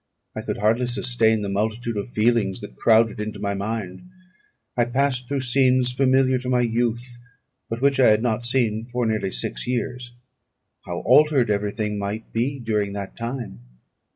I could hardly sustain the multitude of feelings that crowded into my mind. I passed through scenes familiar to my youth, but which I had not seen for nearly six years. How altered every thing might be during that time!